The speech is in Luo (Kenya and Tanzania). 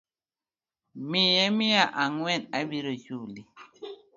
Miye mia angwen abiro chuli